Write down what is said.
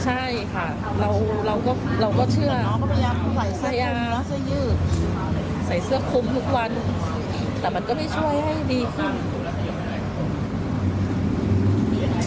ใช่ค่ะเราก็เชื่อใส่เสื้อคุมทุกวันแต่มันก็ไม่ช่วยให้ดีขึ้น